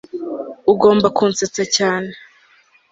ugomba kunsetsa cyane